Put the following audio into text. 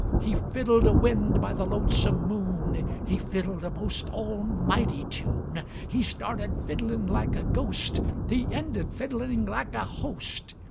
He fiddled a wind by the lonesome moon, He fiddled a most almighty tune. He started fiddling like a ghost. He ended fiddling like a host.